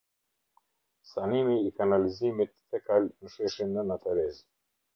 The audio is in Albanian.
Sanimi i kanalizimint fekal ne sheshin nena tereze